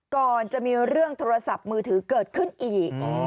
ก่อนจะมีเรื่องโทรศัพท์มือถือเกิดขึ้นอีก